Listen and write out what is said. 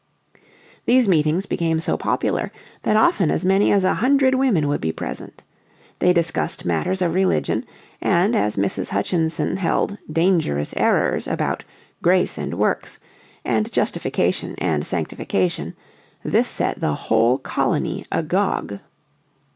These meetings became so popular that often as many as a hundred women would be present. They discussed matters of religion, and as Mrs. Hutchinson held "dangerous errors" about "grace and works" and justification and sanctification, this set the whole colony agog.